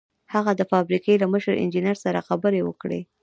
هغه د فابریکې له مشر انجنیر سره خبرې وکړې